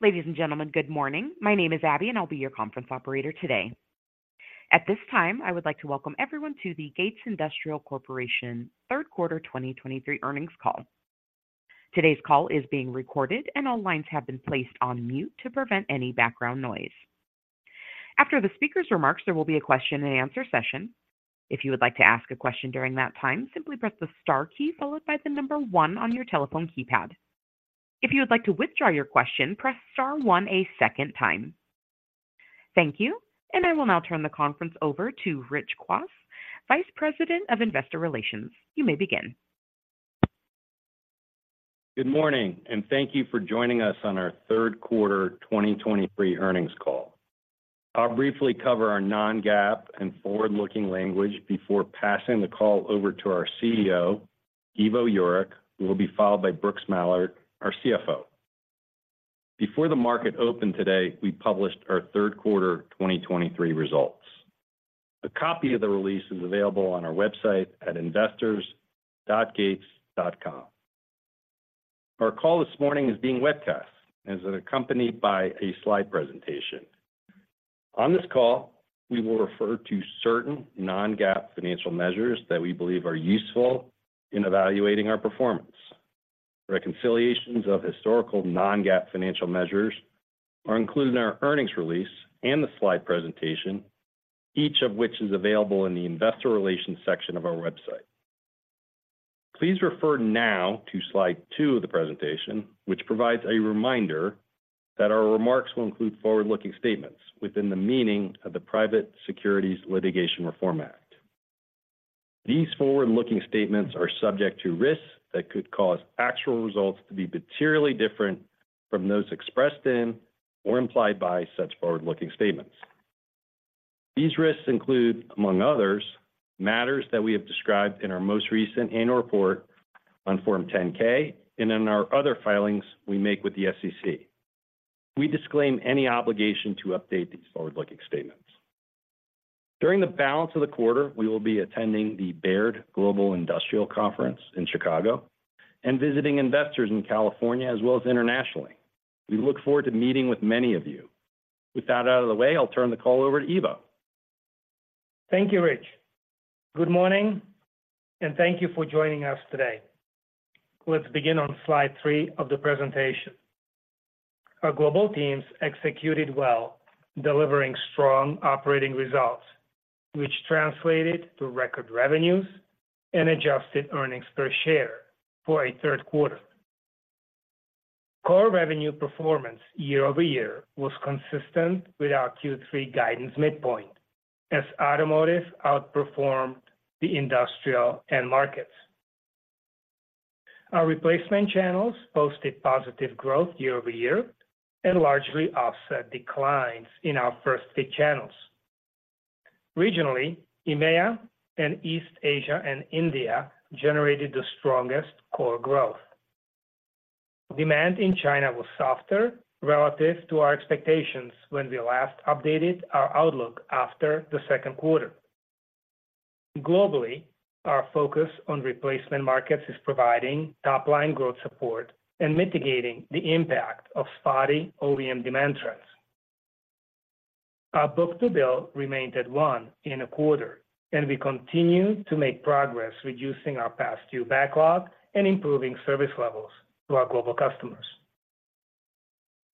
Ladies and gentlemen, good morning. My name is Abby, and I'll be your conference operator today. At this time, I would like to welcome everyone to the Gates Industrial Corporation third quarter 2023 earnings call. Today's call is being recorded, and all lines have been placed on mute to prevent any background noise. After the speaker's remarks, there will be a question and answer session. If you would like to ask a question during that time, simply press the star key followed by the number one on your telephone keypad. If you would like to withdraw your question, press star one a second time. Thank you, and I will now turn the conference over to Rich Kwas, Vice President of Investor Relations. You may begin. Good morning, and thank you for joining us on our third quarter 2023 earnings call. I'll briefly cover our non-GAAP and forward-looking language before passing the call over to our CEO, Ivo Jurek, who will be followed by Brooks Mallard, our CFO. Before the market opened today, we published our third quarter 2023 results. A copy of the release is available on our website at investors.gates.com. Our call this morning is being webcast and is accompanied by a slide presentation. On this call, we will refer to certain non-GAAP financial measures that we believe are useful in evaluating our performance. Reconciliations of historical non-GAAP financial measures are included in our earnings release and the slide presentation, each of which is available in the Investor Relations section of our website. Please refer now to slide 2 of the presentation, which provides a reminder that our remarks will include forward-looking statements within the meaning of the Private Securities Litigation Reform Act. These forward-looking statements are subject to risks that could cause actual results to be materially different from those expressed in or implied by such forward-looking statements. These risks include, among others, matters that we have described in our most recent annual report on Form 10-K and in our other filings we make with the SEC. We disclaim any obligation to update these forward-looking statements. During the balance of the quarter, we will be attending the Baird Global Industrial Conference in Chicago and visiting investors in California as well as internationally. We look forward to meeting with many of you. With that out of the way, I'll turn the call over to Ivo. Thank you, Rich. Good morning, and thank you for joining us today. Let's begin on slide three of the presentation. Our global teams executed well, delivering strong operating results, which translated to record revenues and adjusted earnings per share for a third quarter. Core revenue performance year-over-year was consistent with our Q3 guidance midpoint, as automotive outperformed the industrial end markets. Our replacement channels posted positive growth year-over-year and largely offset declines in our First Fit channels. Regionally, EMEA and East Asia and India generated the strongest core growth. Demand in China was softer relative to our expectations when we last updated our outlook after the second quarter. Globally, our focus on replacement markets is providing top-line growth support and mitigating the impact of spotty OEM demand trends. Our book-to-bill remained at 1 in a quarter, and we continue to make progress reducing our past due backlog and improving service levels to our global customers.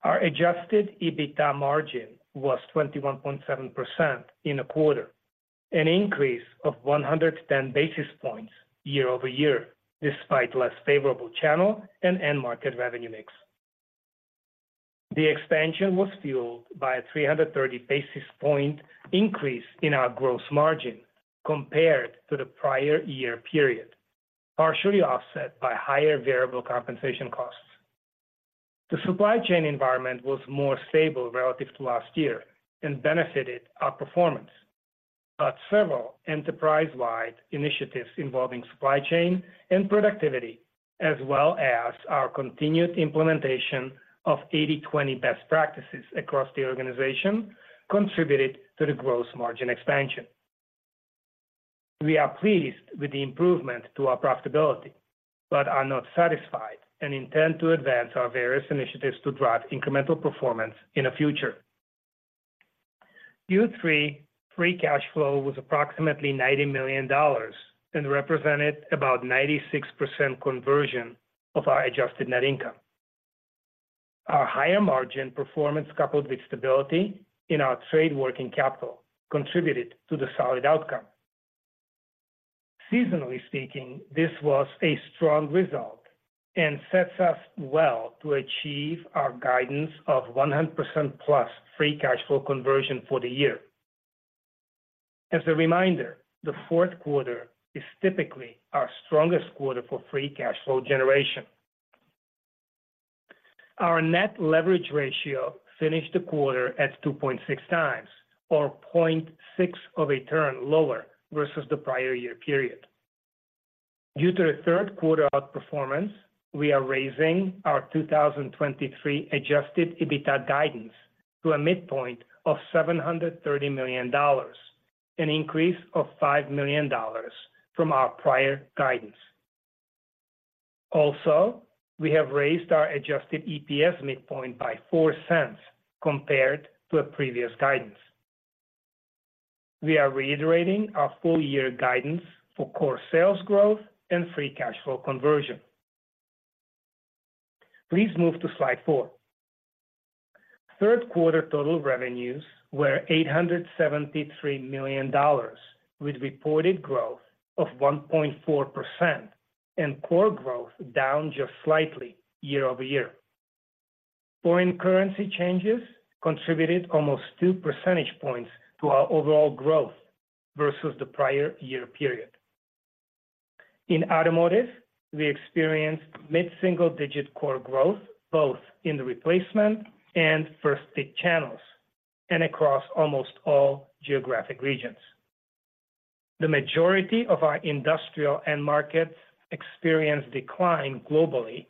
Our adjusted EBITDA margin was 21.7% in a quarter, an increase of 110 basis points year-over-year, despite less favorable channel and end market revenue mix. The expansion was fueled by a 330 basis point increase in our gross margin compared to the prior year period, partially offset by higher variable compensation costs. The supply chain environment was more stable relative to last year and benefited our performance. But several enterprise-wide initiatives involving supply chain and productivity, as well as our continued implementation of 80/20 best practices across the organization, contributed to the gross margin expansion. We are pleased with the improvement to our profitability, but are not satisfied and intend to advance our various initiatives to drive incremental performance in the future. Q3 free cash flow was approximately $90 million and represented about 96% conversion of our adjusted net income. Our higher margin performance, coupled with stability in our trade working capital, contributed to the solid outcome. Seasonally speaking, this was a strong result and sets us well to achieve our guidance of 100%+ free cash flow conversion for the year. As a reminder, the fourth quarter is typically our strongest quarter for free cash flow generation. Our net leverage ratio finished the quarter at 2.6x, or 0.6 of a turn lower versus the prior year period. Due to the third quarter outperformance, we are raising our 2023 Adjusted EBITDA guidance to a midpoint of $730 million, an increase of $5 million from our prior guidance. Also, we have raised our Adjusted EPS midpoint by $0.04 compared to a previous guidance. We are reiterating our full year guidance for core sales growth and free cash flow conversion. Please move to slide 4. Third quarter total revenues were $873 million, with reported growth of 1.4% and core growth down just slightly year-over-year. Foreign currency changes contributed almost 2 percentage points to our overall growth versus the prior year period. In automotive, we experienced mid-single-digit core growth, both in the replacement and first-fit channels, and across almost all geographic regions. The majority of our industrial end markets experienced decline globally,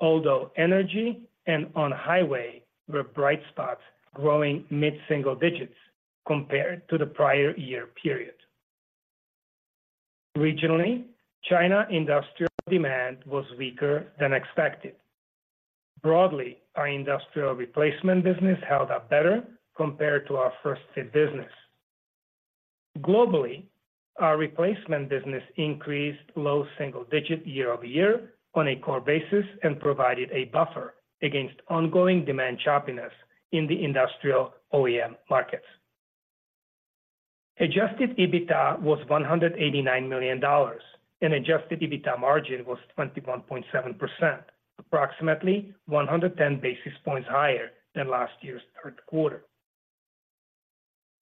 although energy and on-highway were bright spots, growing mid-single digits compared to the prior year period. Regionally, China industrial demand was weaker than expected. Broadly, our industrial replacement business held up better compared to our first-fit business. Globally, our replacement business increased low single digit year-over-year on a core basis and provided a buffer against ongoing demand choppiness in the industrial OEM markets. Adjusted EBITDA was $189 million, and adjusted EBITDA margin was 21.7%, approximately 110 basis points higher than last year's third quarter.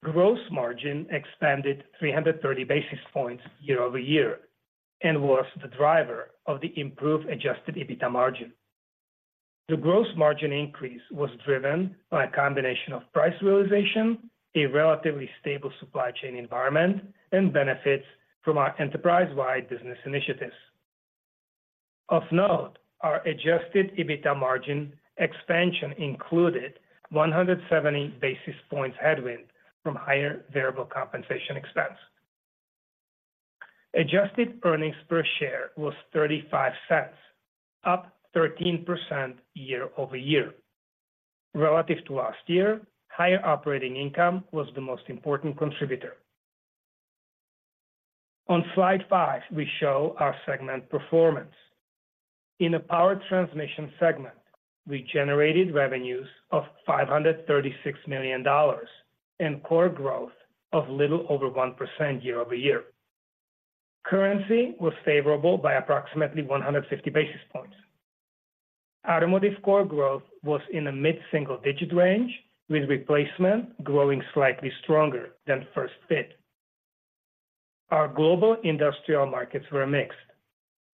Gross margin expanded 330 basis points year-over-year and was the driver of the improved adjusted EBITDA margin. The gross margin increase was driven by a combination of price realization, a relatively stable supply chain environment, and benefits from our enterprise-wide business initiatives. Of note, our Adjusted EBITDA margin expansion included 170 basis points headwind from higher variable compensation expense. Adjusted earnings per share was $0.35, up 13% year-over-year. Relative to last year, higher operating income was the most important contributor. On Slide 5, we show our segment performance. In the Power Transmission segment, we generated revenues of $536 million and core growth of little over 1% year-over-year. Currency was favorable by approximately 150 basis points. Automotive core growth was in the mid-single-digit range, with replacement growing slightly stronger than First Fit. Our global industrial markets were mixed.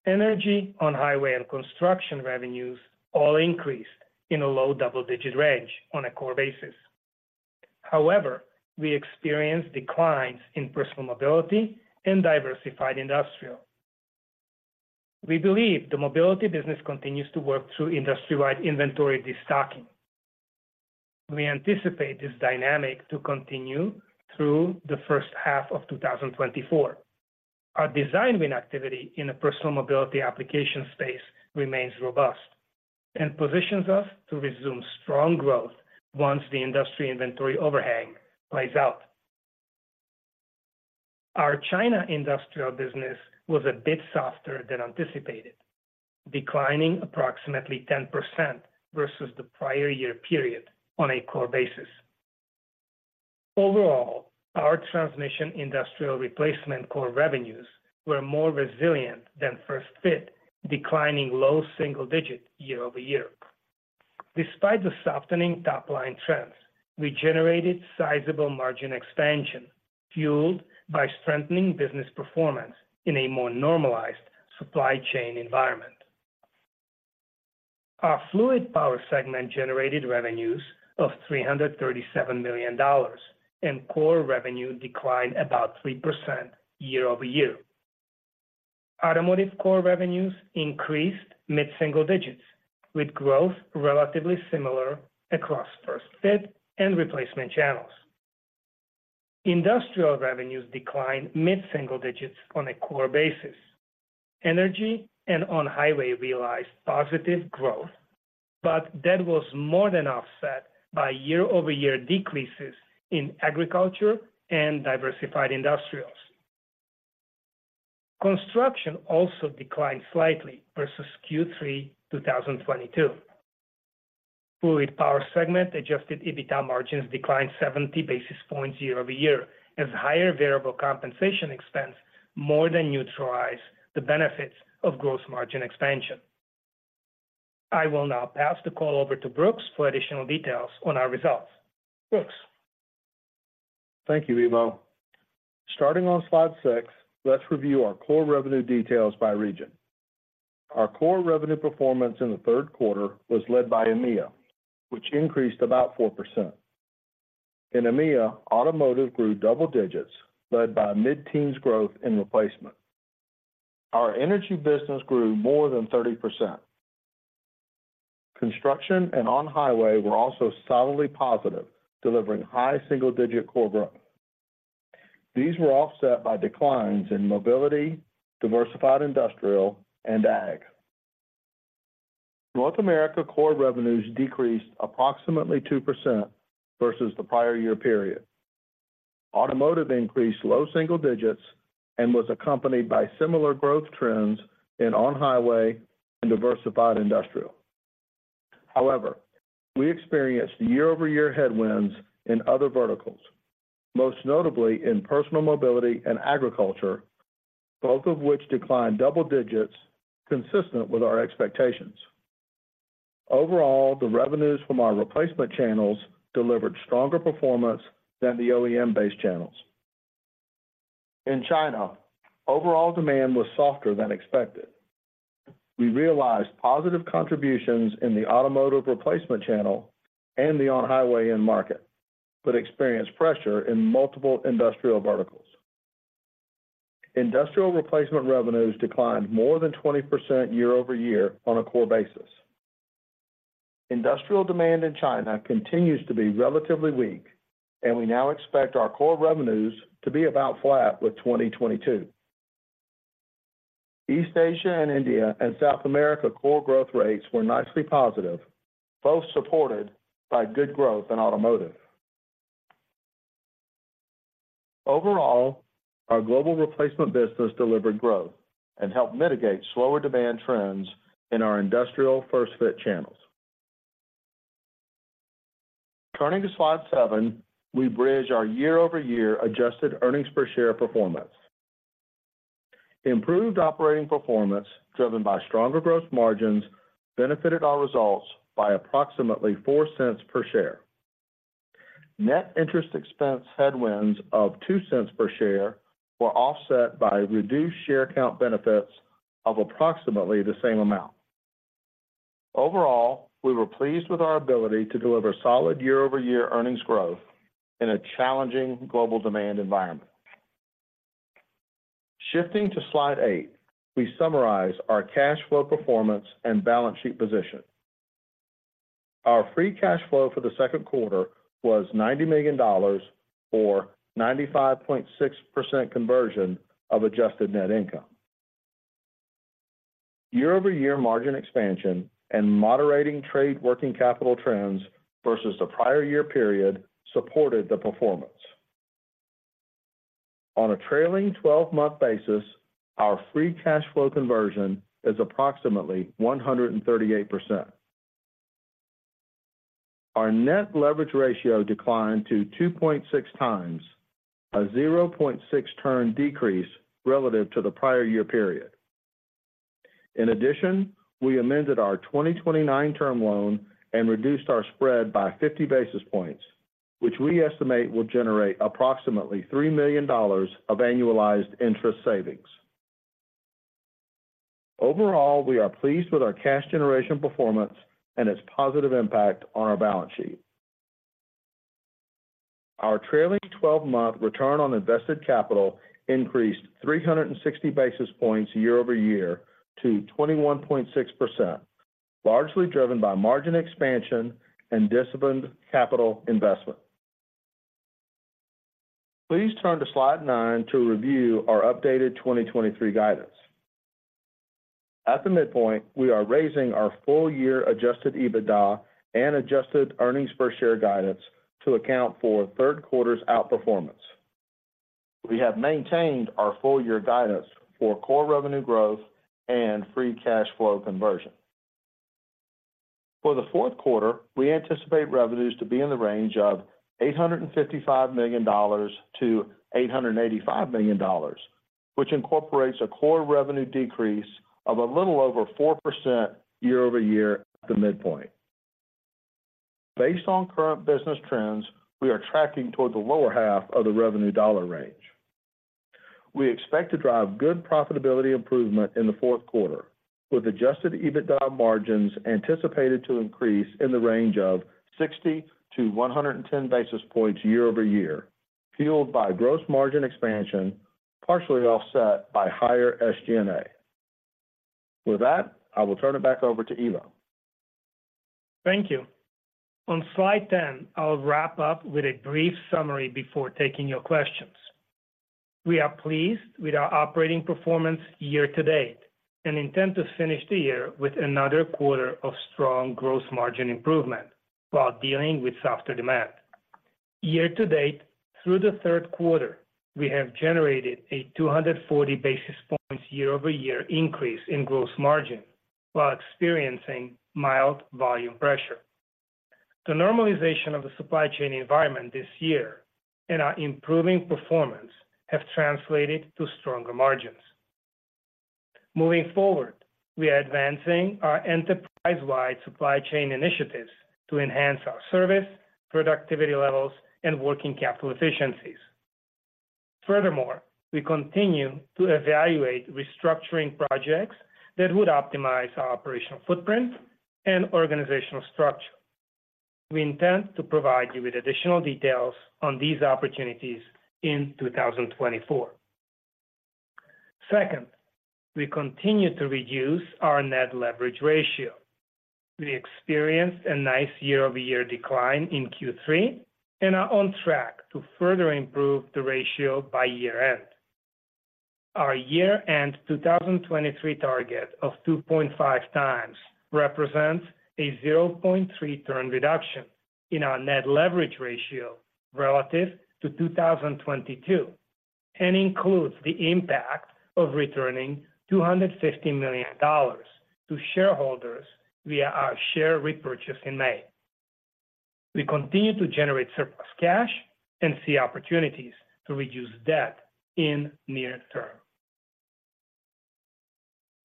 Energy, on-highway, and construction revenues all increased in a low double-digit range on a core basis. However, we experienced declines in personal mobility Diversified Industrial. we believe the mobility business continues to work through industry-wide inventory destocking. We anticipate this dynamic to continue through the first half of 2024. Our design win activity in the personal mobility application space remains robust and positions us to resume strong growth once the industry inventory overhang plays out. Our China industrial business was a bit softer than anticipated, declining approximately 10% versus the prior year period on a core basis. Overall, our transmission industrial replacement core revenues were more resilient than First Fit, declining low single digit year-over-year. Despite the softening top line trends, we generated sizable margin expansion, fueled by strengthening business performance in a more normalized supply chain environment. Our Fluid Power segment generated revenues of $337 million, and core revenue declined about 3% year-over-year. Automotive core revenues increased mid-single digits, with growth relatively similar across first-fit and replacement channels. Industrial revenues declined mid-single digits on a core basis. Energy and on-highway realized positive growth, but that was more than offset by year-over-year decreases in agriculture Diversified Industrials. construction also declined slightly versus Q3 2022. Fluid Power segment adjusted EBITDA margins declined 70 basis points year-over-year, as higher variable compensation expense more than neutralized the benefits of gross margin expansion. I will now pass the call over to Brooks for additional details on our results. Brooks? Thank you, Ivo. Starting on slide 6, let's review our core revenue details by region. Our core revenue performance in the third quarter was led by EMEA, which increased about 4%. In EMEA, automotive grew double digits, led by mid-teens growth in replacement. Our energy business grew more than 30%.... Construction and on-highway were also solidly positive, delivering high single-digit core growth. These were offset by declines in Diversified Industrial, and ag. North America core revenues decreased approximately 2% versus the prior year period. Automotive increased low single digits and was accompanied by similar growth trends in on-highway Diversified Industrial. however, we experienced year-over-year headwinds in other verticals, most notably in personal mobility and agriculture, both of which declined double digits, consistent with our expectations. Overall, the revenues from our replacement channels delivered stronger performance than the OEM-based channels. In China, overall demand was softer than expected. We realized positive contributions in the automotive replacement channel and the on-highway end market, but experienced pressure in multiple industrial verticals. Industrial replacement revenues declined more than 20% year-over-year on a core basis. Industrial demand in China continues to be relatively weak, and we now expect our core revenues to be about flat with 2022. East Asia and India and South America core growth rates were nicely positive, both supported by good growth in automotive. Overall, our global replacement business delivered growth and helped mitigate slower demand trends in our industrial first-fit channels. Turning to slide 7, we bridge our year-over-year adjusted earnings per share performance. Improved operating performance, driven by stronger gross margins, benefited our results by approximately $0.04 per share. Net interest expense headwinds of $0.02 per share were offset by reduced share count benefits of approximately the same amount. Overall, we were pleased with our ability to deliver solid year-over-year earnings growth in a challenging global demand environment. Shifting to slide eight, we summarize our cash flow performance and balance sheet position. Our free cash flow for the second quarter was $90 million, or 95.6% conversion of adjusted net income. Year-over-year margin expansion and moderating trade working capital trends versus the prior year period supported the performance. On a trailing twelve-month basis, our free cash flow conversion is approximately 138%. Our net leverage ratio declined to 2.6x, a 0.6-turn decrease relative to the prior year period. In addition, we amended our 2029 term loan and reduced our spread by 50 basis points, which we estimate will generate approximately $3 million of annualized interest savings. Overall, we are pleased with our cash generation performance and its positive impact on our balance sheet. Our trailing twelve-month return on invested capital increased 360 basis points year-over-year to 21.6%, largely driven by margin expansion and disciplined capital investment. Please turn to slide 9 to review our updated 2023 guidance. At the midpoint, we are raising our full-year adjusted EBITDA and adjusted earnings per share guidance to account for third quarter's outperformance. We have maintained our full-year guidance for core revenue growth and free cash flow conversion. For the fourth quarter, we anticipate revenues to be in the range of $855 million-$885 million, which incorporates a core revenue decrease of a little over 4% year-over-year at the midpoint. Based on current business trends, we are tracking towards the lower half of the revenue dollar range. We expect to drive good profitability improvement in the fourth quarter, with Adjusted EBITDA margins anticipated to increase in the range of 60-110 basis points year-over-year, fueled by gross margin expansion, partially offset by higher SG&A. With that, I will turn it back over to Ivo. Thank you. On slide 10, I'll wrap up with a brief summary before taking your questions. We are pleased with our operating performance year to date and intend to finish the year with another quarter of strong gross margin improvement while dealing with softer demand. Year to date, through the third quarter, we have generated a 240 basis points year-over-year increase in gross margin, while experiencing mild volume pressure. The normalization of the supply chain environment this year and our improving performance have translated to stronger margins. Moving forward, we are advancing our enterprise-wide supply chain initiatives to enhance our service, productivity levels, and working capital efficiencies. Furthermore, we continue to evaluate restructuring projects that would optimize our operational footprint and organizational structure. We intend to provide you with additional details on these opportunities in 2024.... Second, we continue to reduce our Net Leverage Ratio. We experienced a nice year-over-year decline in Q3, and are on track to further improve the ratio by year-end. Our year-end 2023 target of 2.5x represents a 0.3 turn reduction in our net leverage ratio relative to 2022, and includes the impact of returning $250 million to shareholders via our share repurchase in May. We continue to generate surplus cash and see opportunities to reduce debt in near term.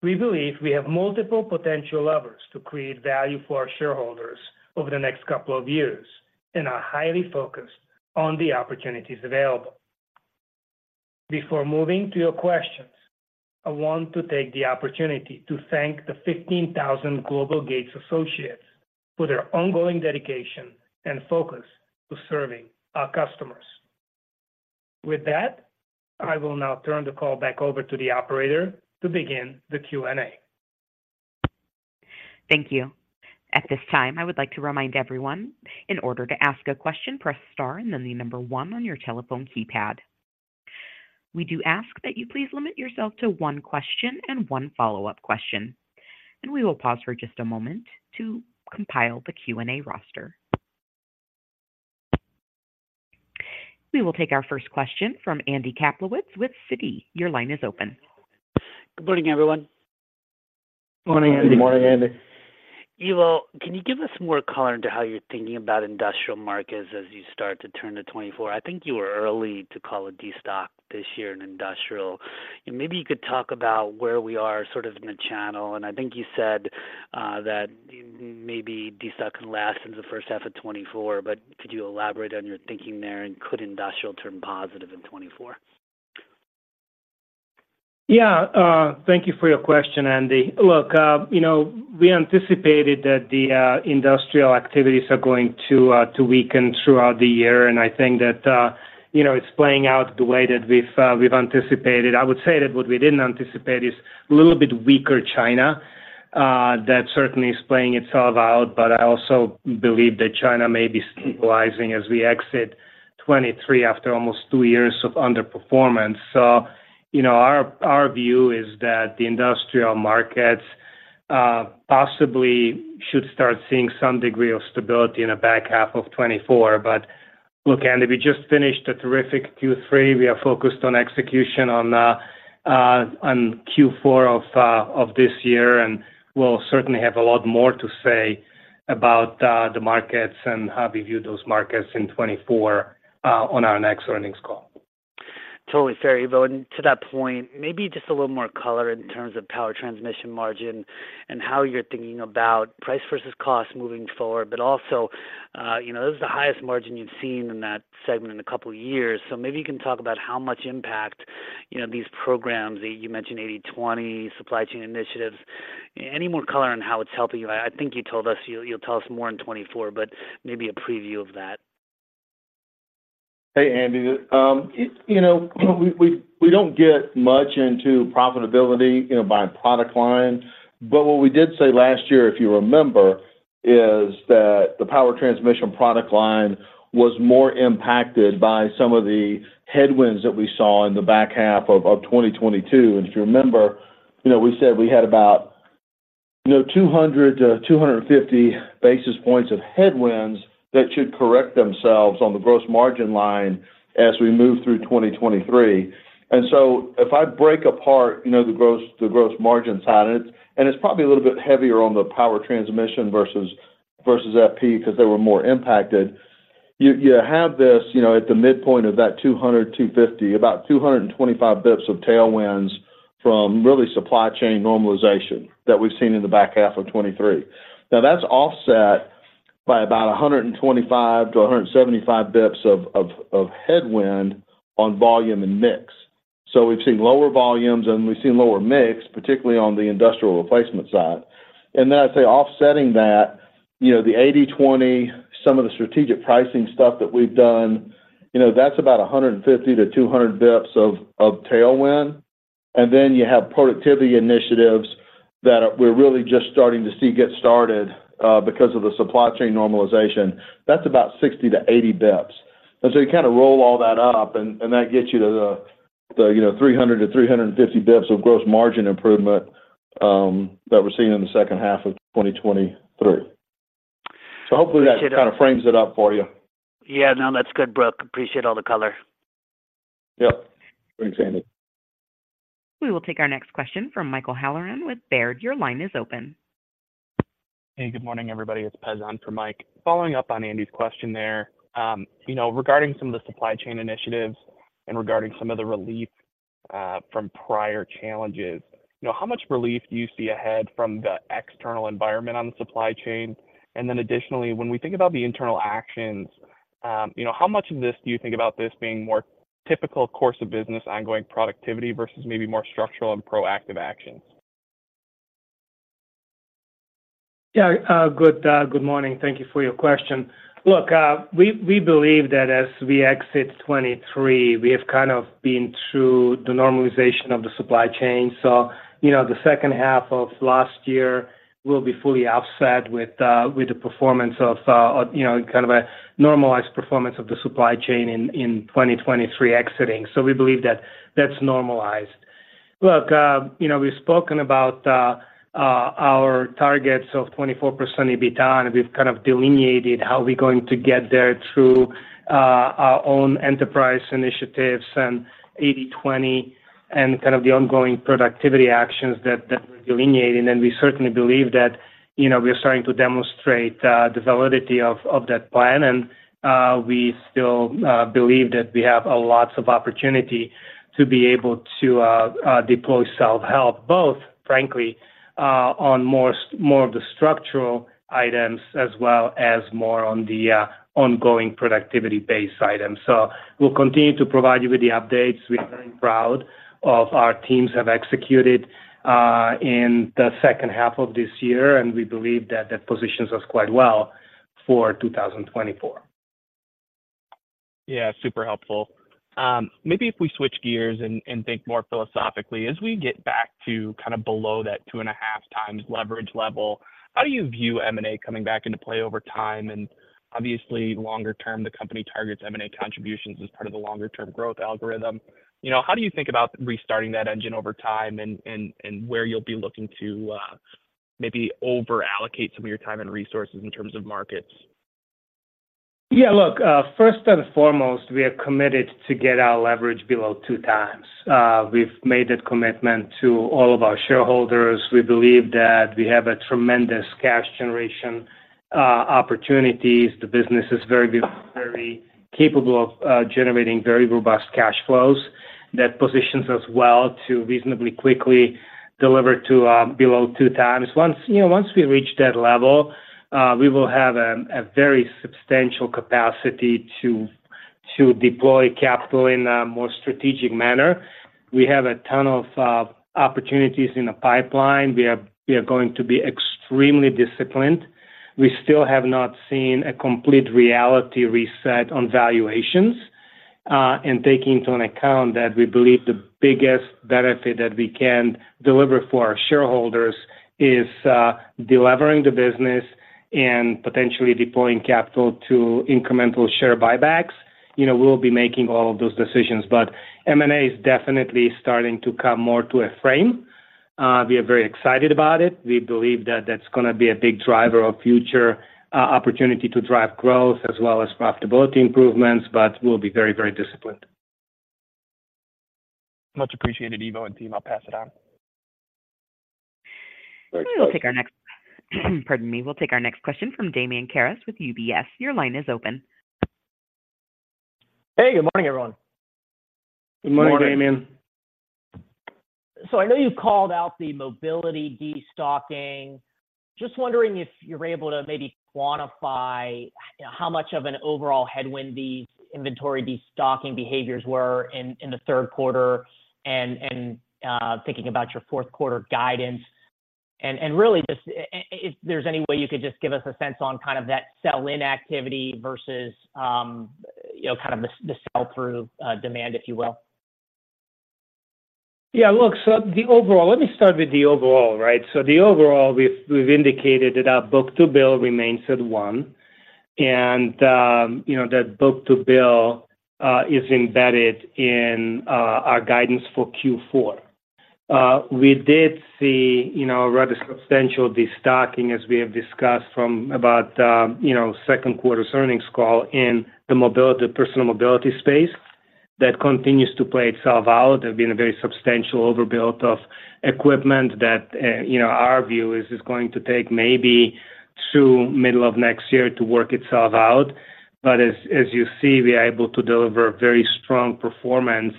We believe we have multiple potential levers to create value for our shareholders over the next couple of years and are highly focused on the opportunities available. Before moving to your questions, I want to take the opportunity to thank the 15,000 Global Gates associates for their ongoing dedication and focus to serving our customers. With that, I will now turn the call back over to the operator to begin the Q&A. Thank you. At this time, I would like to remind everyone, in order to ask a question, press Star and then the number one on your telephone keypad. We do ask that you please limit yourself to one question and one follow-up question. We will pause for just a moment to compile the Q&A roster. We will take our first question from Andy Kaplowitz with Citi. Your line is open. Good morning, everyone. Morning, Andy. Good morning, Andy. Ivo, can you give us more color into how you're thinking about industrial markets as you start to turn to 2024? I think you were early to call a destock this year in industrial. And maybe you could talk about where we are sort of in the channel. And I think you said that maybe destock can last into the first half of 2024, but could you elaborate on your thinking there, and could industrial turn positive in 2024? Yeah, thank you for your question, Andy. Look, you know, we anticipated that the industrial activities are going to to weaken throughout the year, and I think that you know, it's playing out the way that we've we've anticipated. I would say that what we didn't anticipate is a little bit weaker China, that certainly is playing itself out, but I also believe that China may be stabilizing as we exit 2023 after almost two years of underperformance. So, you know, our our view is that the industrial markets possibly should start seeing some degree of stability in the back half of 2024. But look, Andy, we just finished a terrific Q3. We are focused on execution on Q4 of this year, and we'll certainly have a lot more to say about the markets and how we view those markets in 2024 on our next earnings call. Totally fair, Ivo. And to that point, maybe just a little more color in terms of power transmission margin and how you're thinking about price versus cost moving forward. But also, you know, this is the highest margin you've seen in that segment in a couple of years. So maybe you can talk about how much impact, you know, these programs, you mentioned 80/20, supply chain initiatives. Any more color on how it's helping you? I think you told us you, you'll tell us more in 2024, but maybe a preview of that. Hey, Andy. You know, we don't get much into profitability, you know, by product line, but what we did say last year, if you remember, is that the power transmission product line was more impacted by some of the headwinds that we saw in the back half of 2022. And if you remember, you know, we said we had about, you know, 200-250 basis points of headwinds that should correct themselves on the gross margin line as we move through 2023. So if I break apart, you know, the gross margin side, and it's probably a little bit heavier on the power transmission versus FP because they were more impacted, you have this, you know, at the midpoint of that 200-250, about 225 basis points of tailwinds from really supply chain normalization that we've seen in the back half of 2023. Now, that's offset by about 125-175 basis points of headwind on volume and mix. So we've seen lower volumes, and we've seen lower mix, particularly on the industrial replacement side. And then I'd say offsetting that, you know, the 80/20, some of the strategic pricing stuff that we've done, you know, that's about 150-200 basis points of tailwind. And then you have productivity initiatives that we're really just starting to see get started, because of the supply chain normalization. That's about 60-80 basis points. And so you kind of roll all that up, and, and that gets you to the, the, you know, 300-350 basis points of gross margin improvement, that we're seeing in the second half of 2023. So hopefully, that kind of frames it up for you. Yeah. No, that's good, Brooks. Appreciate all the color. Yep. Thanks, Andy. We will take our next question from Michael Halloran with Baird. Your line is open. Hey, good morning, everybody. It's Pezan for Mike. Following up on Andy's question there, you know, regarding some of the supply chain initiatives and regarding some of the relief, from prior challenges, you know, how much relief do you see ahead from the external environment on the supply chain? And then additionally, when we think about the internal actions, you know, how much of this do you think about this being more typical course of business, ongoing productivity versus maybe more structural and proactive actions? Yeah, good, good morning. Thank you for your question. Look, we, we believe that as we exit 2023, we have kind of been through the normalization of the supply chain. So, you know, the second half of last year will be fully offset with the performance of, you know, kind of a normalized performance of the supply chain in 2023 exiting. So we believe that that's normalized. Look, you know, we've spoken about our targets of 24% EBITDA, and we've kind of delineated how we're going to get there through our own enterprise initiatives and 80/20, and kind of the ongoing productivity actions that we're delineating. And we certainly believe that, you know, we are starting to demonstrate the validity of that plan. And we still believe that we have a lot of opportunity to be able to deploy self-help, both frankly, on more of the structural items, as well as more on the ongoing productivity-based items. So we'll continue to provide you with the updates. We are very proud of our teams have executed in the second half of this year, and we believe that that positions us quite well for 2024. Yeah, super helpful. Maybe if we switch gears and think more philosophically, as we get back to kind of below that 2.5x leverage level, how do you view M&A coming back into play over time? And obviously, longer term, the company targets M&A contributions as part of the longer term growth algorithm. You know, how do you think about restarting that engine over time and where you'll be looking to maybe over allocate some of your time and resources in terms of markets? Yeah, look, first and foremost, we are committed to get our leverage below 2 times. We've made that commitment to all of our shareholders. We believe that we have a tremendous cash generation opportunities. The business is very good, very capable of generating very robust cash flows. That positions us well to reasonably quickly deliver to below 2 times. Once, you know, once we reach that level, we will have a very substantial capacity to deploy capital in a more strategic manner. We have a ton of opportunities in the pipeline. We are going to be extremely disciplined. We still have not seen a complete reality reset on valuations, and taking into account that we believe the biggest benefit that we can deliver for our shareholders is, delivering the business and potentially deploying capital to incremental share buybacks. You know, we'll be making all of those decisions, but M&A is definitely starting to come more to a frame. We are very excited about it. We believe that that's gonna be a big driver of future, opportunity to drive growth as well as profitability improvements, but we'll be very, very disciplined. Much appreciated, Ivo and team. I'll pass it on. Pardon me. We'll take our next question from Damian Karas with UBS. Your line is open. Hey, good morning, everyone. Good morning, Damian. So I know you called out the mobility destocking. Just wondering if you're able to maybe quantify, how much of an overall headwind the inventory destocking behaviors were in, in the third quarter, and, thinking about your fourth quarter guidance, and really, just if there's any way you could just give us a sense on kind of that sell-in activity versus, you know, kind of the, the sell-through, demand, if you will. Yeah, look, so the overall, let me start with the overall, right? So the overall, we've indicated that our book-to-bill remains at 1, and, you know, that book-to-bill is embedded in our guidance for Q4. We did see, you know, a rather substantial destocking, as we have discussed from about, you know, second quarter earnings call in the mobility, personal mobility space. That continues to play itself out. There's been a very substantial overbuild of equipment that, you know, our view is it's going to take maybe through middle of next year to work itself out. But as you see, we are able to deliver very strong performance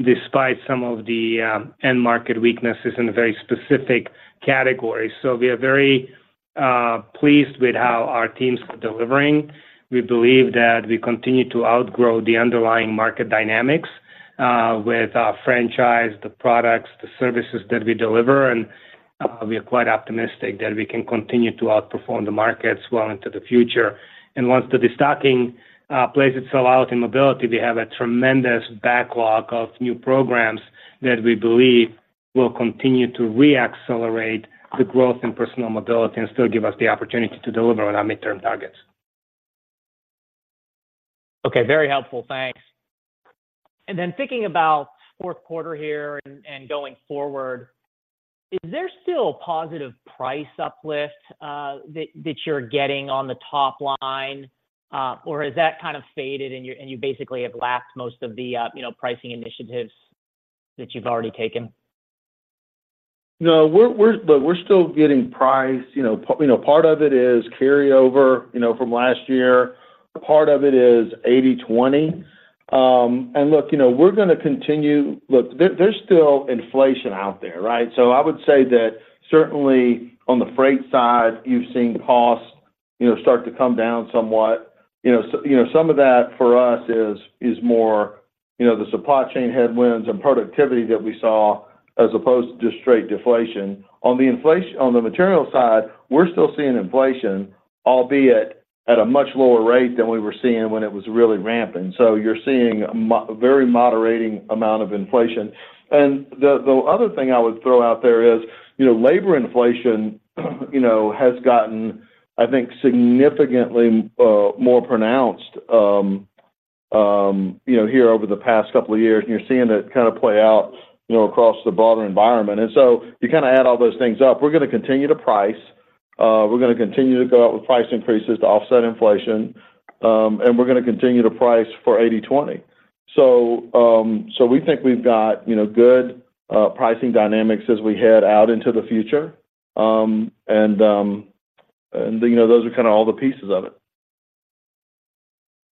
despite some of the end market weaknesses in a very specific category. So we are very pleased with how our teams are delivering. We believe that we continue to outgrow the underlying market dynamics, with our franchise, the products, the services that we deliver, and, we are quite optimistic that we can continue to outperform the markets well into the future. And once the destocking, plays itself out in mobility, we have a tremendous backlog of new programs that we believe will continue to re-accelerate the growth in personal mobility and still give us the opportunity to deliver on our midterm targets. Okay, very helpful. Thanks. And then thinking about fourth quarter here and going forward, is there still a positive price uplift that you're getting on the top line? Or has that kind of faded and you basically have lapped most of the, you know, pricing initiatives that you've already taken? No, we're still getting price. You know, part of it is carryover, you know, from last year. Part of it is eighty/twenty. And look, you know, we're gonna continue. Look, there's still inflation out there, right? So I would say that certainly on the freight side, you've seen costs you know, start to come down somewhat. You know, so, you know, some of that for us is more, you know, the supply chain headwinds and productivity that we saw, as opposed to just straight deflation. On the inflation on the material side, we're still seeing inflation, albeit at a much lower rate than we were seeing when it was really ramping. So you're seeing a very moderating amount of inflation. And the other thing I would throw out there is, you know, labor inflation, you know, has gotten, I think, significantly more pronounced, you know, here over the past couple of years, and you're seeing it kind of play out, you know, across the broader environment. And so you kind of add all those things up. We're gonna continue to price, we're gonna continue to go out with price increases to offset inflation, and we're gonna continue to price for 80/20. So, so we think we've got, you know, good pricing dynamics as we head out into the future. And, you know, those are kinda all the pieces of it.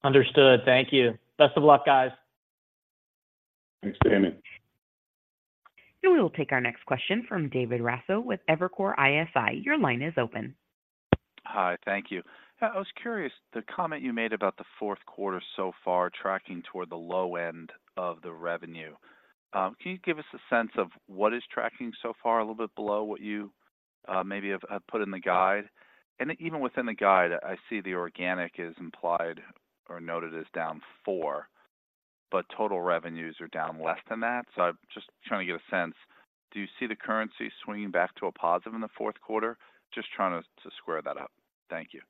Understood. Thank you. Best of luck, guys. Thanks, Damian. We will take our next question from David Raso with Evercore ISI. Your line is open. Hi, thank you. I was curious, the comment you made about the fourth quarter so far tracking toward the low end of the revenue. Can you give us a sense of what is tracking so far, a little bit below what you maybe have put in the guide? And even within the guide, I see the organic is implied or noted as down 4, but total revenues are down less than that. So I'm just trying to get a sense, do you see the currency swinging back to a positive in the fourth quarter? Just trying to square that up. Thank you.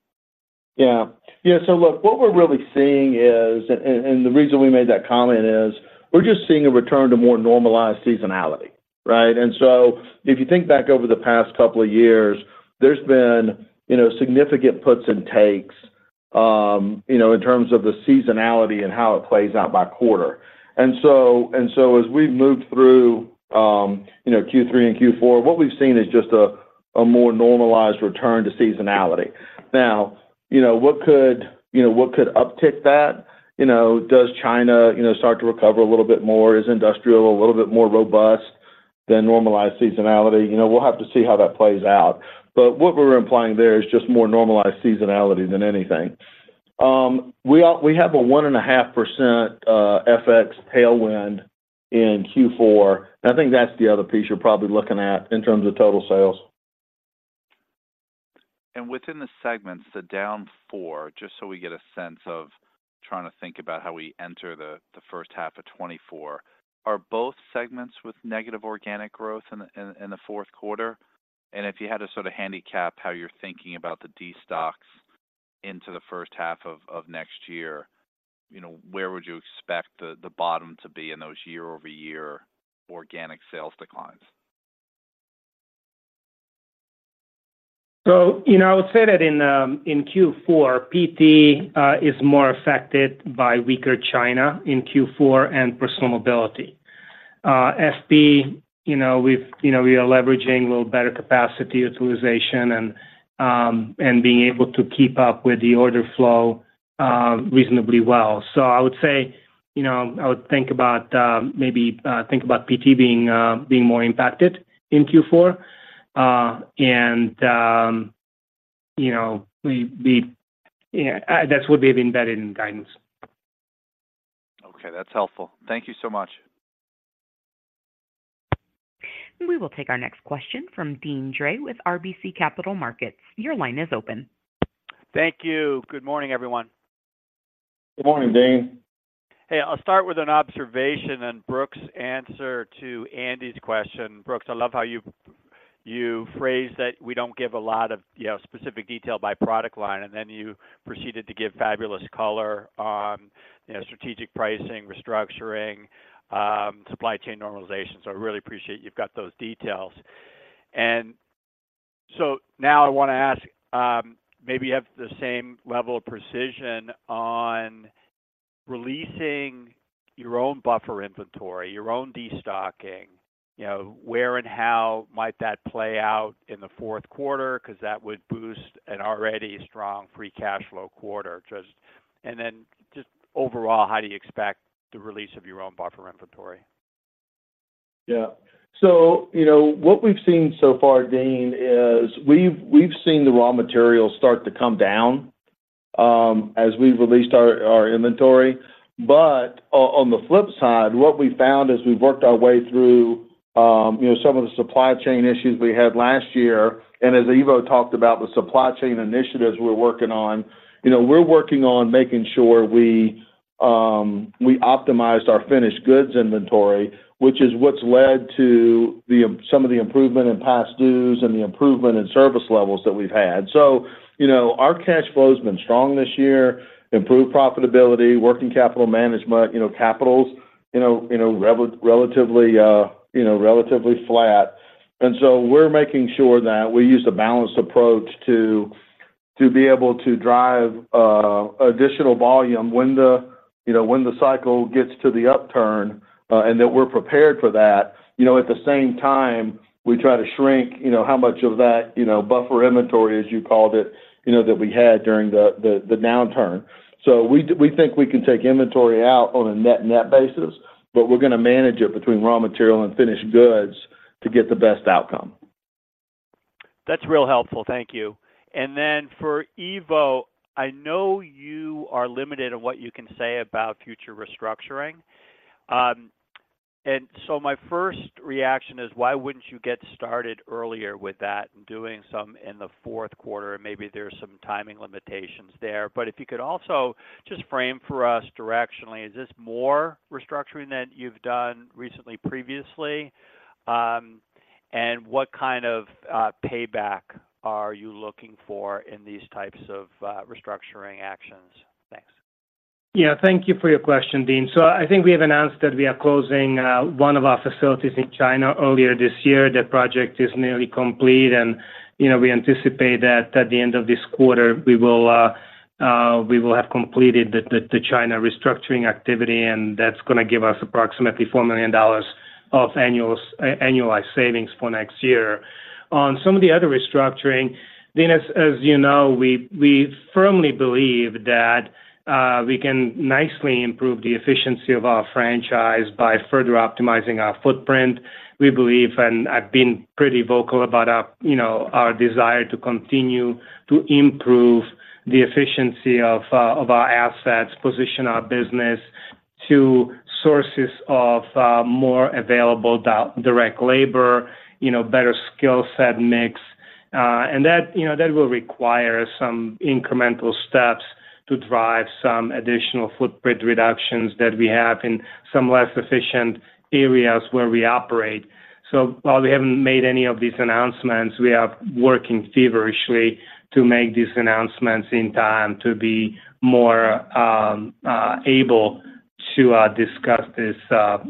Yeah. Yeah, so look, what we're really seeing is, and the reason we made that comment is, we're just seeing a return to more normalized seasonality, right? And so if you think back over the past couple of years, there's been, you know, significant puts and takes, you know, in terms of the seasonality and how it plays out by quarter. And so as we've moved through, you know, Q3 and Q4, what we've seen is just a more normalized return to seasonality. Now, you know, what could uptick that? You know, does China start to recover a little bit more? Is industrial a little bit more robust than normalized seasonality? You know, we'll have to see how that plays out. But what we're implying there is just more normalized seasonality than anything. We have a 1.5% FX tailwind in Q4, and I think that's the other piece you're probably looking at in terms of total sales. Within the segments, the down 4, just so we get a sense of trying to think about how we enter the first half of 2024, are both segments with negative organic growth in the fourth quarter? And if you had to sort of handicap how you're thinking about the destocks into the first half of next year, you know, where would you expect the bottom to be in those year-over-year organic sales declines? So, you know, I would say that in Q4, PT is more affected by weaker China in Q4 and personal mobility. FP, you know, we've, you know, we are leveraging a little better capacity utilization and, and being able to keep up with the order flow, reasonably well. So I would say, you know, I would think about, maybe, think about PT being, being more impacted in Q4. And, you know, we, we, yeah, that's what we have embedded in guidance. Okay, that's helpful. Thank you so much. We will take our next question from Deane Dray with RBC Capital Markets. Your line is open. Thank you. Good morning, everyone. Good morning, Deane. Hey, I'll start with an observation on Brooks's answer to Andy's question. Brooks, I love how you phrased that we don't give a lot of, you know, specific detail by product line, and then you proceeded to give fabulous color on, you know, strategic pricing, restructuring, supply chain normalization. So I really appreciate you've got those details. And so now I want to ask, maybe you have the same level of precision on releasing your own buffer inventory, your own destocking, you know, where and how might that play out in the fourth quarter? Because that would boost an already strong free cash flow quarter. And then just overall, how do you expect the release of your own buffer inventory? Yeah. So, you know, what we've seen so far, Deane, is we've seen the raw materials start to come down, as we've released our inventory. But on the flip side, what we found as we've worked our way through, you know, some of the supply chain issues we had last year, and as Ivo talked about, the supply chain initiatives we're working on, you know, we're working on making sure we optimized our finished goods inventory, which is what's led to some of the improvement in past dues and the improvement in service levels that we've had. So, you know, our cash flow has been strong this year, improved profitability, working capital management, you know, capital's, you know, relatively flat. So we're making sure that we use a balanced approach to be able to drive additional volume when the, you know, when the cycle gets to the upturn, and that we're prepared for that. You know, at the same time, we try to shrink, you know, how much of that, you know, buffer inventory, as you called it, you know, that we had during the downturn. So we think we can take inventory out on a net-net basis, but we're gonna manage it between raw material and finished goods.... to get the best outcome. That's real helpful. Thank you. And then for Ivo, I know you are limited on what you can say about future restructuring. And so my first reaction is, why wouldn't you get started earlier with that and doing some in the fourth quarter? Maybe there's some timing limitations there. But if you could also just frame for us directionally, is this more restructuring than you've done recently, previously? And what kind of payback are you looking for in these types of restructuring actions? Thanks. Yeah, thank you for your question, Deane. So I think we have announced that we are closing one of our facilities in China earlier this year. That project is nearly complete, and, you know, we anticipate that at the end of this quarter, we will have completed the China restructuring activity, and that's gonna give us approximately $4 million of annualized savings for next year. On some of the other restructuring, Deane, as you know, we firmly believe that we can nicely improve the efficiency of our franchise by further optimizing our footprint. We believe, and I've been pretty vocal about our, you know, our desire to continue to improve the efficiency of our assets, position our business to sources of more available direct labor, you know, better skill set mix. And that, you know, that will require some incremental steps to drive some additional footprint reductions that we have in some less efficient areas where we operate. So while we haven't made any of these announcements, we are working feverishly to make these announcements in time to be more, able to, discuss this,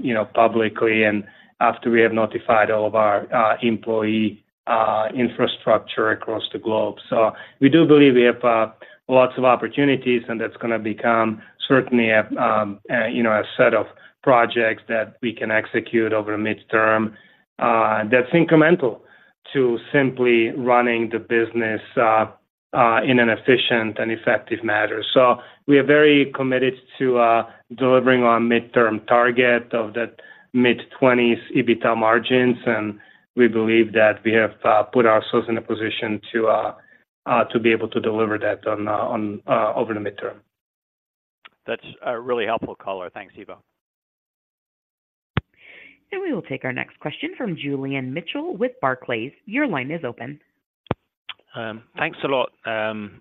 you know, publicly and after we have notified all of our, employee infrastructure across the globe. So we do believe we have, lots of opportunities, and that's gonna become certainly a, a, you know, a set of projects that we can execute over the midterm, that's incremental to simply running the business, in an efficient and effective manner. So we are very committed to delivering on midterm target of the mid-20s EBITDA margins, and we believe that we have put ourselves in a position to be able to deliver that over the midterm. That's really helpful color. Thanks, Ivo. We will take our next question from Julian Mitchell with Barclays. Your line is open. Thanks a lot. And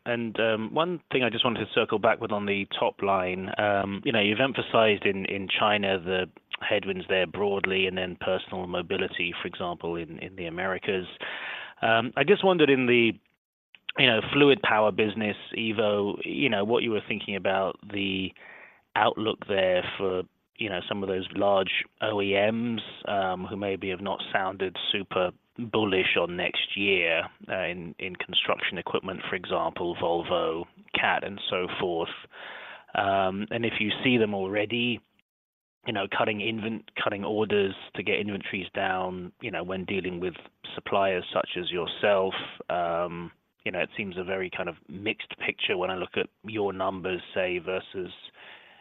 one thing I just wanted to circle back with on the top line, you know, you've emphasized in China the headwinds there broadly, and then personal mobility, for example, in the Americas. I just wondered, you know, in the fluid power business, Ivo, you know, what you were thinking about the outlook there for, you know, some of those large OEMs who maybe have not sounded super bullish on next year in construction equipment, for example, Volvo, Cat, and so forth. And if you see them already, you know, cutting invent-- cutting orders to get inventories down, you know, when dealing with suppliers such as yourself, you know, it seems a very kind of mixed picture when I look at your numbers, say, versus,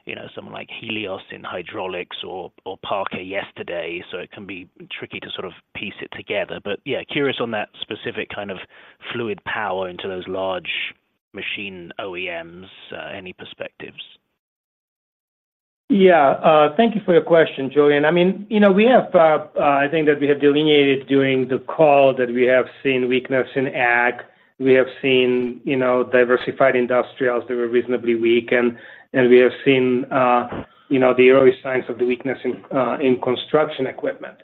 you know, someone like Helios in hydraulics or, or Parker yesterday, so it can be tricky to sort of piece it together. But yeah, curious on that specific kind of Fluid Power into those large machine OEMs. Any perspectives? Yeah, thank you for your question, Julian. I mean, you know, we have, I think that we have delineated during the call that we have seen weakness in ag, we have seen, you Diversified Industrials that were reasonably weak, and, and we have seen, you know, the early signs of the weakness in, in construction equipment.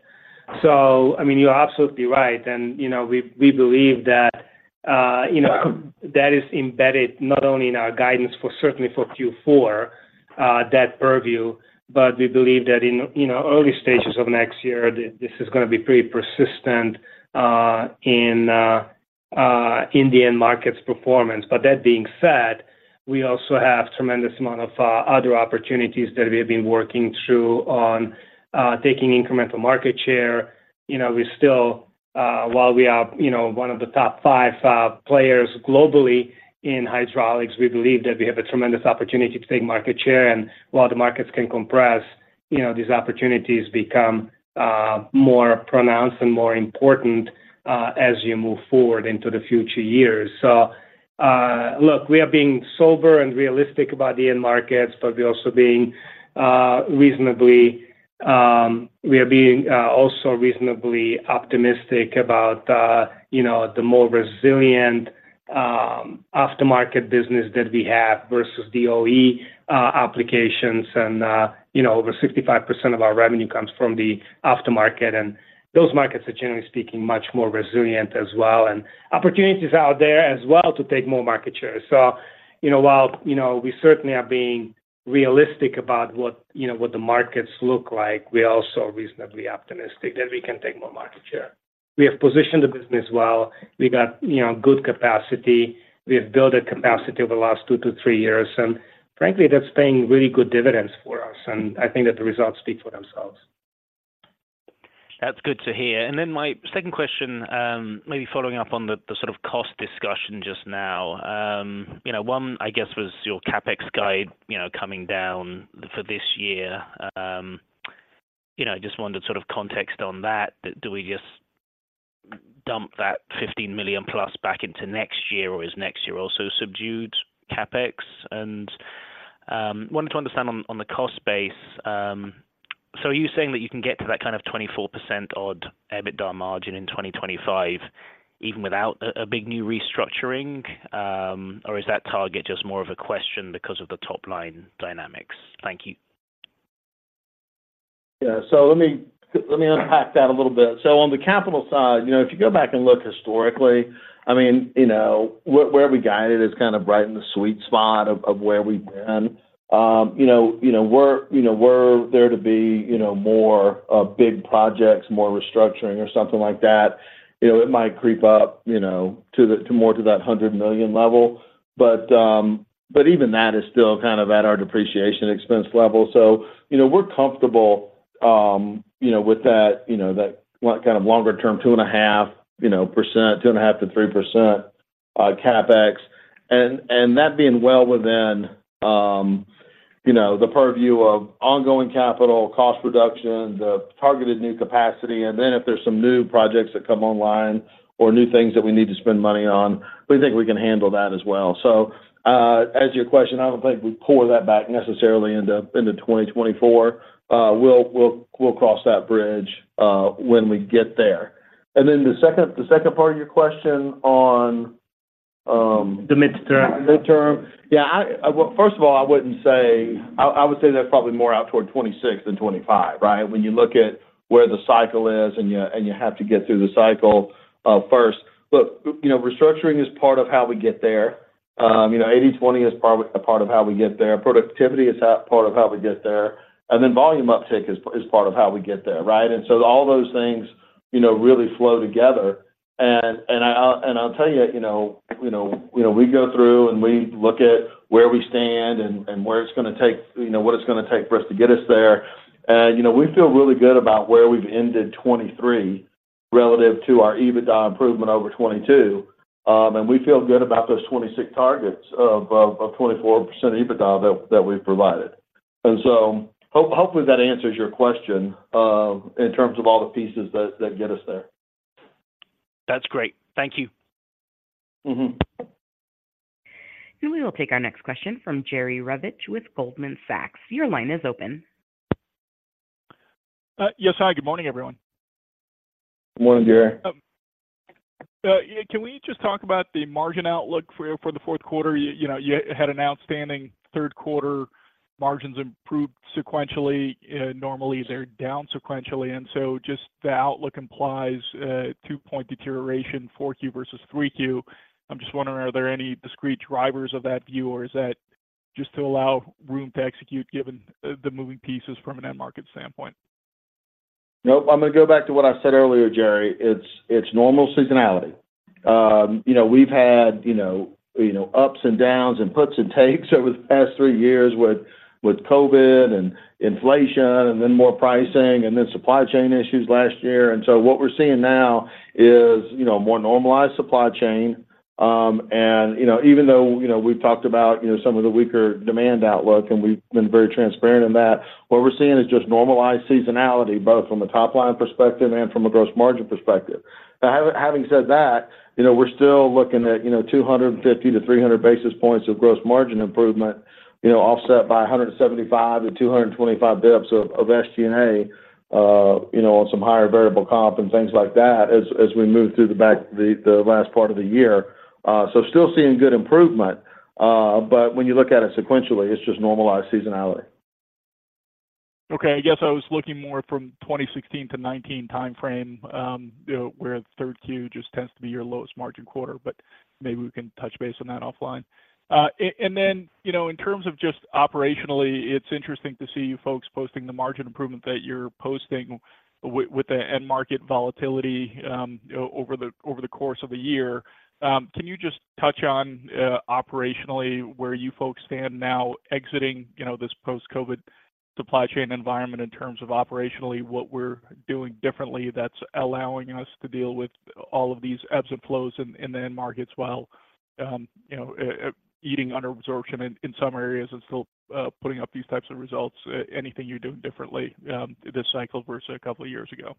So I mean, you're absolutely right, and, you know, we, we believe that, you know, that is embedded not only in our guidance for certainly for Q4, that purview, but we believe that in, you know, early stages of next year, this is gonna be pretty persistent, in the end markets performance. But that being said, we also have tremendous amount of, other opportunities that we have been working through on, taking incremental market share. You know, we still, while we are, you know, one of the top five players globally in hydraulics, we believe that we have a tremendous opportunity to take market share. And while the markets can compress, you know, these opportunities become more pronounced and more important as you move forward into the future years. So, look, we are being sober and realistic about the end markets, but we're also being reasonably—we are being also reasonably optimistic about you know, the more resilient aftermarket business that we have versus the OE applications. And, you know, over 65% of our revenue comes from the aftermarket, and those markets are, generally speaking, much more resilient as well, and opportunities are out there as well to take more market share. So, you know, while, you know, we certainly are being realistic about what, you know, what the markets look like, we are also reasonably optimistic that we can take more market share. We have positioned the business well. We got, you know, good capacity. We have built a capacity over the last 2-3 years, and frankly, that's paying really good dividends for us, and I think that the results speak for themselves. That's good to hear. And then my second question, maybe following up on the, the sort of cost discussion just now. You know, one, I guess, was your CapEx guide, you know, coming down for this year. You know, I just wondered sort of context on that. Do we just dump that $15 million plus back into next year, or is next year also subdued CapEx? And, wanted to understand on, on the cost base, so are you saying that you can get to that kind of 24% odd EBITDA margin in 2025 even without a, a big new restructuring? Or is that target just more of a question because of the top-line dynamics? Thank you. Yeah. So let me unpack that a little bit. So on the capital side, you know, if you go back and look historically, I mean, you know, where we got it is kind of right in the sweet spot of where we've been. You know, you know, we're, you know, we're there to be, you know, more big projects, more restructuring or something like that, you know, it might creep up, you know, to the, to more to that $100 million level. But, but even that is still kind of at our depreciation expense level. So, you know, we're comfortable, you know, with that, you know, that kind of longer term, 2.5, you know, percent, 2.5%-3% CapEx. That being well within, you know, the purview of ongoing capital, cost reduction, the targeted new capacity, and then if there's some new projects that come online or new things that we need to spend money on, we think we can handle that as well. So, as to your question, I don't think we pull that back necessarily into 2024. We'll cross that bridge when we get there. And then the second part of your question on- The midterm. The midterm. Yeah, I - well, first of all, I wouldn't say... I would say that's probably more out toward 26 than 25, right? When you look at where the cycle is and you, and you have to get through the cycle, first. Look, you know, restructuring is part of how we get there. You know, 80/20 is part of how we get there. Productivity is part of how we get there, and then volume uptake is part of how we get there, right? And so all those things, you know, really flow together. And I’ll tell you, you know, you know, you know, we go through and we look at where we stand and where it's gonna take, you know, what it's gonna take for us to get us there. You know, we feel really good about where we've ended 2023 relative to our EBITDA improvement over 2022. And we feel good about those 2026 targets of 24% EBITDA that we've provided. And so hopefully, that answers your question in terms of all the pieces that get us there. That's great. Thank you. Mm-hmm. We will take our next question from Jerry Revich with Goldman Sachs. Your line is open. Yes. Hi, good morning, everyone. Good morning, Jerry. Yeah, can we just talk about the margin outlook for the fourth quarter? You know, you had an outstanding third quarter. Margins improved sequentially. Normally, they're down sequentially, and so just the outlook implies a 2-point deterioration, 4Q versus 3Q. I'm just wondering, are there any discrete drivers of that view, or is that just to allow room to execute given the moving pieces from an end market standpoint? Nope. I'm gonna go back to what I said earlier, Jerry. It's normal seasonality. You know, we've had, you know, you know, ups and downs and puts and takes over the past three years with, with COVID and inflation and then more pricing and then supply chain issues last year. And so what we're seeing now is, you know, a more normalized supply chain. And, you know, even though, you know, we've talked about, you know, some of the weaker demand outlook, and we've been very transparent in that, what we're seeing is just normalized seasonality, both from a top-line perspective and from a gross margin perspective. Now, having said that, you know, we're still looking at, you know, 250-300 basis points of gross margin improvement, you know, offset by 175-225 bps of SG&A, you know, on some higher variable comp and things like that, as we move through the back, the last part of the year. So still seeing good improvement, but when you look at it sequentially, it's just normalized seasonality. Okay. I guess I was looking more from 2016 to 2019 timeframe, you know, where the Q3 just tends to be your lowest margin quarter, but maybe we can touch base on that offline. And then, you know, in terms of just operationally, it's interesting to see you folks posting the margin improvement that you're posting with the end market volatility over the course of the year. Can you just touch on operationally where you folks stand now exiting, you know, this post-COVID supply chain environment in terms of operationally, what we're doing differently that's allowing us to deal with all of these ebbs and flows in the end markets while, you know, incurring under absorption in some areas and still putting up these types of results? Anything you're doing differently, this cycle versus a couple of years ago?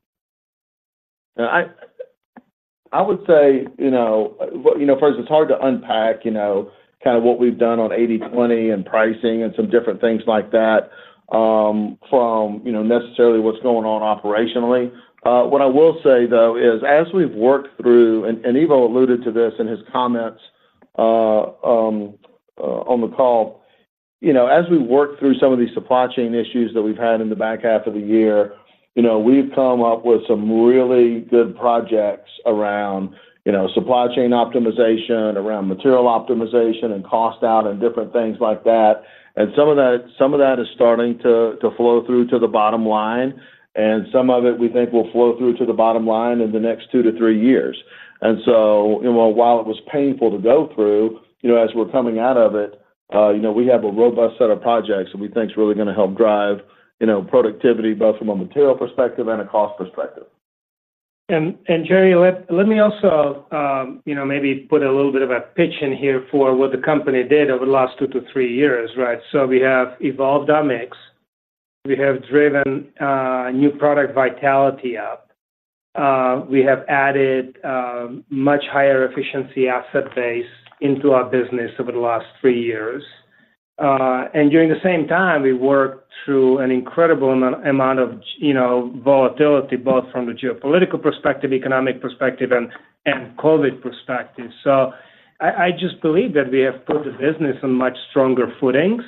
I would say, you know, well, you know, first, it's hard to unpack, you know, kind of what we've done on 80/20 and pricing and some different things like that, from, you know, necessarily what's going on operationally. What I will say, though, is as we've worked through, and Ivo alluded to this in his comments, on the call, you know, as we work through some of these supply chain issues that we've had in the back half of the year, you know, we've come up with some really good projects around, you know, supply chain optimization, around material optimization and cost out and different things like that. And some of that, some of that is starting to, to flow through to the bottom line, and some of it we think will flow through to the bottom line in the next 2-3 years. And so, you know, while it was painful to go through, you know, as we're coming out of it, you know, we have a robust set of projects that we think is really gonna help drive, you know, productivity, both from a material perspective and a cost perspective. Jerry, let me also, you know, maybe put a little bit of a pitch in here for what the company did over the last 2-3 years, right? So we have evolved our mix. We have driven new product vitality up. We have added much higher efficiency asset base into our business over the last 3 years. And during the same time, we worked through an incredible amount of, you know, volatility, both from the geopolitical perspective, economic perspective, and COVID perspective. So I just believe that we have put the business on much stronger footings,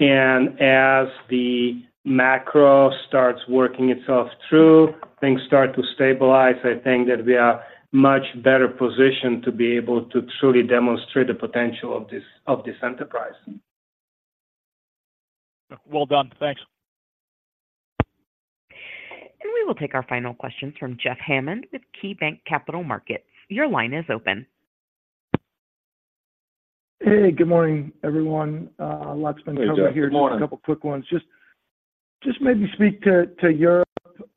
and as the macro starts working itself through, things start to stabilize, I think that we are much better positioned to be able to truly demonstrate the potential of this enterprise. Well done. Thanks. We will take our final question from Jeff Hammond with KeyBanc Capital Markets. Your line is open. Hey, good morning, everyone. Last batter over here- Good morning. Just a couple quick ones. Just maybe speak to Europe.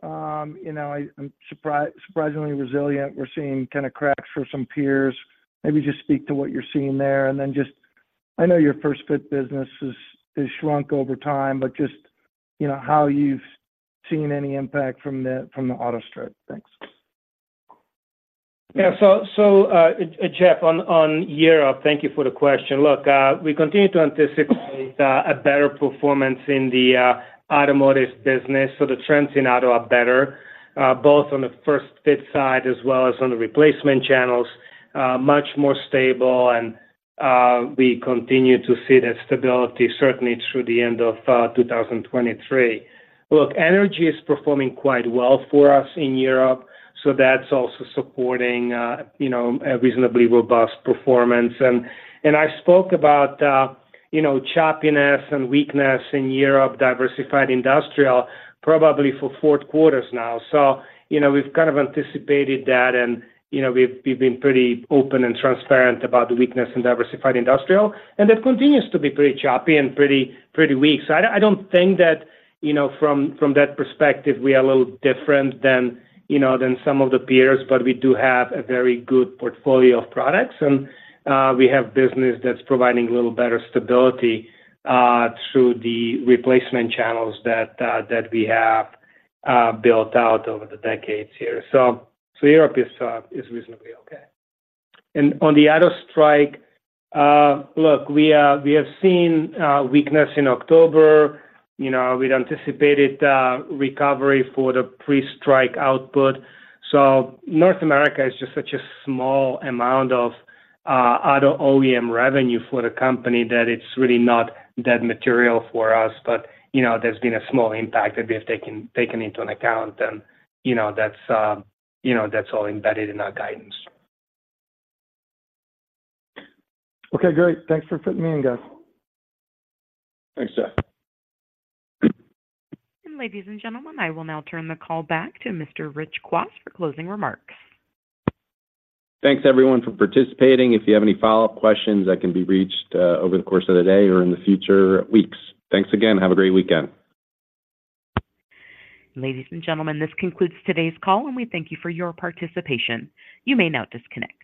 You know, I'm surprisingly resilient. We're seeing kinda cracks for some peers. Maybe just speak to what you're seeing there, and then just I know your First Fit business is shrunk over time, but you know, how you've seen any impact from the auto strike. Thanks. Yeah. So, Jeff, on Europe, thank you for the question. Look, we continue to anticipate a better performance in the automotive business, so the trends in auto are better, both on the First Fit side as well as on the replacement channels. Much more stable, and we continue to see that stability, certainly through the end of 2023. Look, energy is performing quite well for us in Europe, so that's also supporting, you know, a reasonably robust performance. And I spoke about, you know, choppiness and weakness in Diversified Industrial, probably for fourth quarters now. So, you know, we've kind of anticipated that and, you know, we've been pretty open and transparent about the weakness Diversified Industrial, and that continues to be pretty choppy and pretty weak. So I don't think that, you know, from that perspective, we are a little different than, you know, than some of the peers, but we do have a very good portfolio of products, and we have business that's providing a little better stability through the replacement channels that we have built out over the decades here. So Europe is reasonably okay. And on the auto strike, look, we have seen weakness in October. You know, we'd anticipated recovery for the pre-strike output. So North America is just such a small amount of auto OEM revenue for the company that it's really not that material for us. But, you know, there's been a small impact that we have taken into an account and, you know, that's, you know, that's all embedded in our guidance. Okay, great. Thanks for fitting me in, guys. Thanks, Jeff. Ladies and gentlemen, I will now turn the call back to Mr. Rich Kwas for closing remarks. Thanks, everyone, for participating. If you have any follow-up questions, I can be reached over the course of the day or in the future weeks. Thanks again. Have a great weekend. Ladies and gentlemen, this concludes today's call, and we thank you for your participation. You may now disconnect.